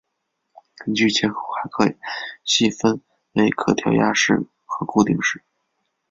根据结构还可细分为可调压式和固定式。